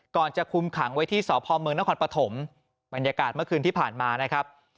จะคุมขังไว้ที่สพเมืองนครปฐมบรรยากาศเมื่อคืนที่ผ่านมานะครับ